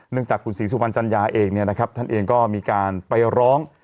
เนื่องจากคุณศรีสุวรรณจัญญาเองนะครับท่านเองก็มีการไปร้อง